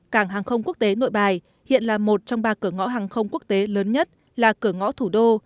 cảng hàng không quốc tế nội bài hiện là một trong ba cửa ngõ hàng không quốc tế lớn nhất là cửa ngõ thủ đô